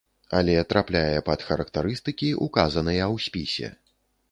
Але трапляе пад характарыстыкі, указаныя ў спісе.